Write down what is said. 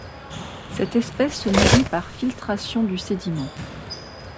Cette espèce se nourrit par filtration du sédiment.